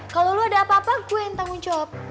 kalau lo ada apa apa gue yang tanggung jawab